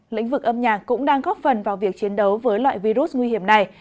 lĩnh vực âm nhạc cũng đang góp phần vào việc chiến đấu với loại virus nguy hiểm này